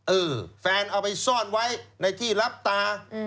เออแฟนเอาไปซ่อนไว้ในที่รับตา